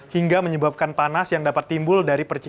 hingga menyebabkan panas yang dapat timbul dari perjalanan